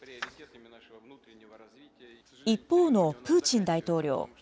一方のプーチン大統領。